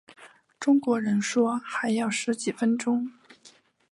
中国人说还要十几分钟